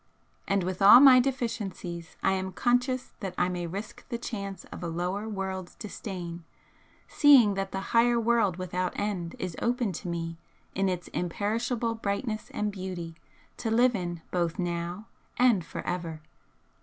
And with all my deficiencies I am conscious that I may risk the chance of a lower world's disdain, seeing that the 'higher world without end' is open to me in its imperishable brightness and beauty, to live in both NOW, and for ever.